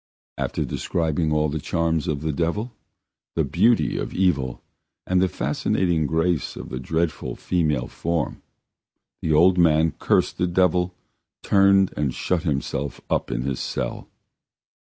... After describing all the charms of the devil, the beauty of evil, and the fascinating grace of the dreadful female form, the old man cursed the devil, turned and shut himself up in his cell.